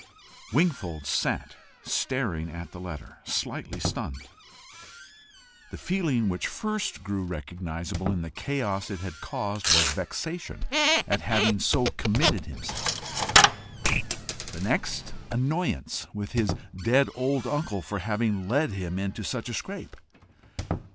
Wingfold sat staring at the letter, slightly stunned. The feeling which first grew recognizable in the chaos it had caused, was vexation at having so committed himself; the next, annoyance with his dead old uncle for having led him into such a scrape.